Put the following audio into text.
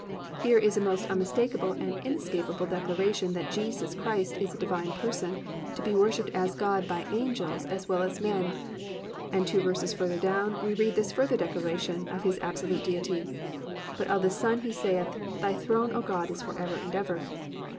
"+ Here is a most unmistakable and inescapable declaration that Jesus Christ is a Divine Person, to be worshipped as God by angels as well as men, and two verses further down we read this further declaration of His absolute Deity, +"But of the son he saith, Thy throne O God, is for ever and ever."